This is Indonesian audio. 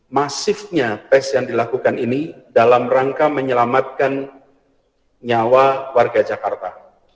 masifnya tes yang dilakukan ini dalam rangka menyelamatkan nyawa warga jakarta